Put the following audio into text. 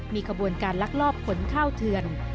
มีขบวนการลักลอบขนข้าวเถื่อน